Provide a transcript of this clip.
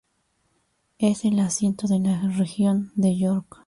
Es el asiento de la región de York.